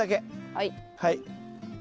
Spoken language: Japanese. はい。